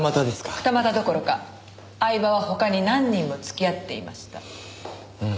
二股どころか饗庭は他に何人も付き合っていました。